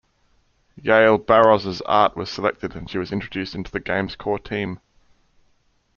Yaël Barroz's art was selected and she was introduced into the game's core team.